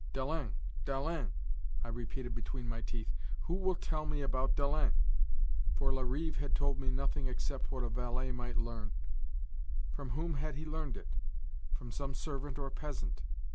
"Dalens! Dalens!" I repeated, between my teeth, "who will tell me about Dalens?" For Larive had told me nothing except what a valet might learn. From whom had he learned it? From some servant or peasant.